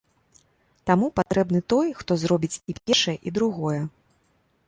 Таму патрэбны той, хто зробіць і першае, і другое.